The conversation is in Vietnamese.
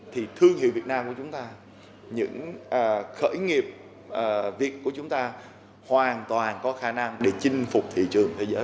thì thương hiệu việt nam của chúng ta những khởi nghiệp việt của chúng ta hoàn toàn có khả năng để chinh phục thị trường thế giới